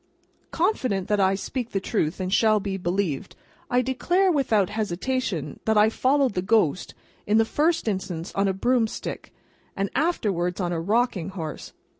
Confident that I speak the truth and shall be believed, I declare without hesitation that I followed the ghost, in the first instance on a broom stick, and afterwards on a rocking horse.